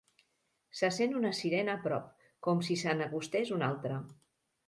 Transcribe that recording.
Se sent una sirena a prop, com si se n'acostés una altra.